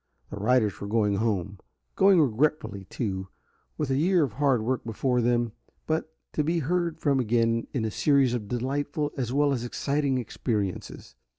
The Riders were going home, going regretfully, too, with a year of hard work before them, but to be heard from again in a series of delightful as well as exciting experiences.